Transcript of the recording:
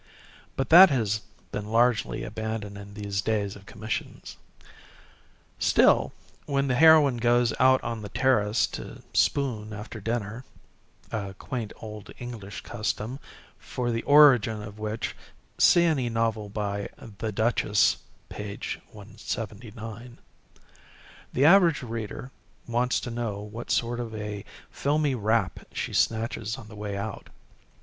But that has been largely abandoned in these days of commissions. Still, when the heroine goes out on the terrace to spoon after dinner (a quaint old English custom for the origin of which see any novel by the "Duchess," page 179) the average reader wants to know what sort of a filmy wrap she snatches up on the way out.